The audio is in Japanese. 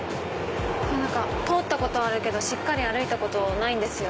何か通ったことあるけどしっかり歩いたことないんですよ。